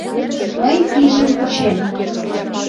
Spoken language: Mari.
Мый пийжым кучем.